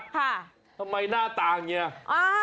ทำไมหน้าตายงนี่